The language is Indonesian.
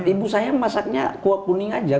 ibu saya masaknya kuah kuning aja